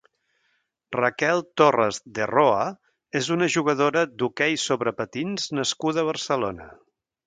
Raquel Torras de Roa és una jugadora d'hoquei sobre patins nascuda a Barcelona.